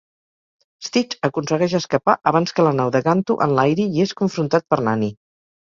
Stitch aconsegueix escapar abans que la nau de Gantu enlairi i és confrontat per Nani.